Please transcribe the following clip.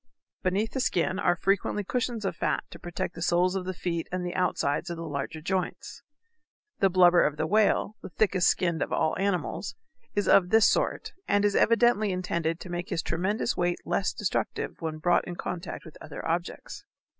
Beneath the skin are frequently cushions of fat to protect the soles of the feet and the outside of the larger joints. The blubber of the whale, the thickest skinned of all animals, is of this sort, and is evidently intended to make his tremendous weight less destructive when brought in contact with other objects.